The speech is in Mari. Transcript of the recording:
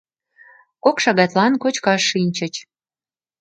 Кок шагатлан кочкаш шинчыч.